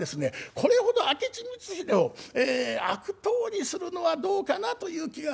これほど明智光秀を悪党にするのはどうかなという気がするんですよね。